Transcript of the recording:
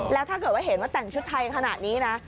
แล้วถ้าเกิดว่าเห็นว่าแต่งชุดไทยขนาดนี้นะ